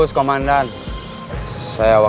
terima kasih bang